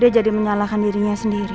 dia jadi menyalahkan dirinya sendiri